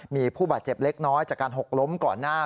มีผู้บาดเจ็บเล็กน้อยจากการหกล้มก่อนหน้า